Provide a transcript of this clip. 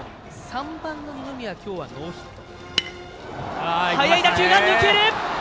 ３番の二宮、今日はノーヒット。